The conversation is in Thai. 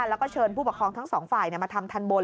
แล้วก็เชิญผู้ปกครองทั้งสองฝ่ายมาทำทันบน